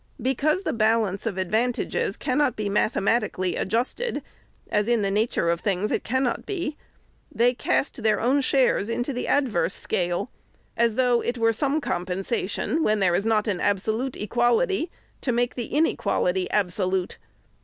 Because the balance of advantages cannot be mathemat ically adjusted, as in the nature of things it cannot be, they cast their own shares into the adverse scale ; as though it were some compensation, when there is not an absolute equality, to make the inequality absolute.